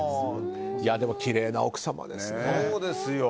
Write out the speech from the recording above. でも、きれいな奥さまですね。